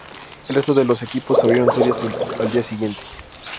El resto de los equipos abrieron series al día siguiente.